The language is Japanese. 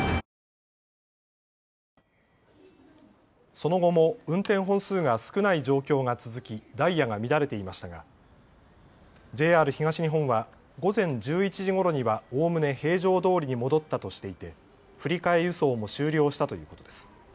その後も運転本数が少ない状況が続きダイヤが乱れていましたがＪＲ東日本は午前１１時ごろにはおおむね平常どおりに戻ったとしていて振り替え輸送も終了したということです。